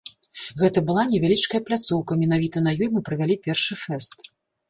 Гэта была невялічкая пляцоўка і менавіта на ёй мы правялі першы фэст.